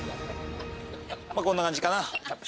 まぁこんな感じかな。